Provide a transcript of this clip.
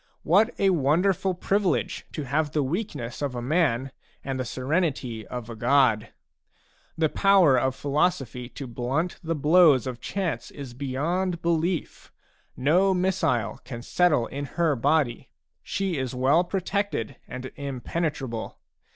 What a wonderful privilege, to have the weaknesses of a man and the serenity of a god ! The power of philosophy to blunt the blows of chance is beyond belief. No missile can settle in her body; she is well protected and impenetrable.